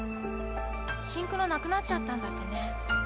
シンクロなくなっちゃったんだってね。